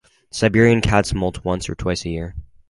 Siberian cats moult once or twice a year.